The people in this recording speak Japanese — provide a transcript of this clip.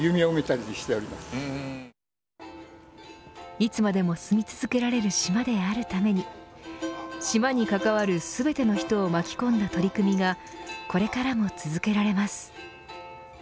いつまでも住み続けられる島であるために島に関わる全ての人を巻き込んだ取り組みがこれからも続けられます。